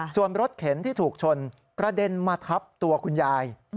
ส่วนรถเข็นที่ถูกชนกระเด็นมาทับตัวคุณยาย